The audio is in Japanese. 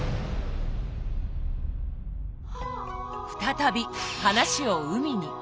再び話を海に。